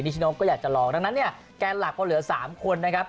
นิชนก็อยากจะลองดังนั้นแก้นหลักเพราะเหลือ๓คนนะครับ